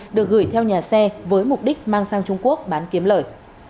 được gửi theo nhà xe với mục đích mang sang trung quốc bán kiếm lời